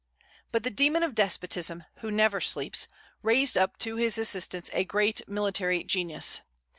But the demon of despotism, who never sleeps, raised up to his assistance a great military genius.